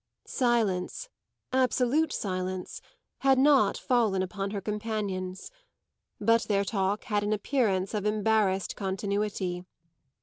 Silence absolute silence had not fallen upon her companions; but their talk had an appearance of embarrassed continuity.